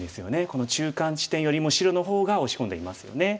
この中間地点よりも白の方が押し込んでいますよね。